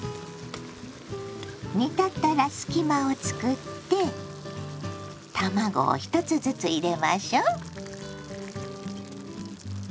煮立ったら隙間をつくって卵を１つずつ入れましょう。